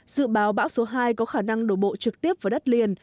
dự báo bão số hai có khả năng đổ bộ trực tiếp vào đất liền